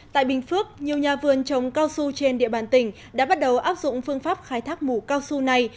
tại bình phước nhiều nhà vườn trồng cao su trên địa bàn tỉnh đã bắt đầu áp dụng phương pháp khai thác mù cao su này